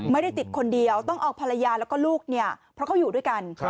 ไม่ได้ติดคนเดียวต้องเอาภรรยาแล้วก็ลูกเนี่ยเพราะเขาอยู่ด้วยกัน